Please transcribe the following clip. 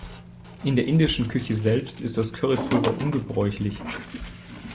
In der indischen Küche selbst ist das Currypulver ungebräuchlich.